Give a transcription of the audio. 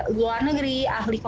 penunduan kesekian kalinya